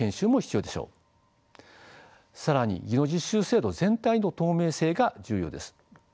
更に技能実習制度全体の透明性が重要です。